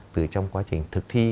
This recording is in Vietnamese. từ trong quá trình thực thi